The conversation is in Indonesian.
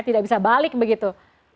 tidak bisa balik begitu